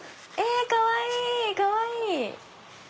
かわいいかわいい！